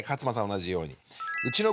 同じように。